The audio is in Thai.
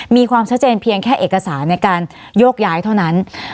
มีความชัดเจนเพียงแค่เอกสารในการโยกย้ายเท่านั้น